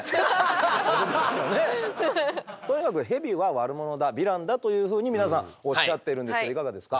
とにかくヘビは悪者だヴィランだというふうに皆さんおっしゃっているんですけどいかがですか？